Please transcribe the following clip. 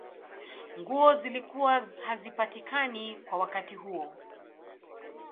nguo zilikuwa hazipatikani kwa wakati huo